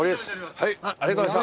はい。